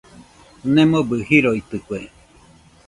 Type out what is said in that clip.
Nemobɨ jiroitɨkue.